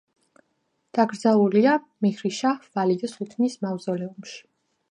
დაკრძალულია მიჰრიშაჰ ვალიდე სულთნის მავზოლეუმში.